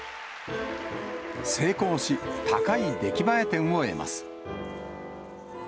成功し、高い出来栄え点を得ます。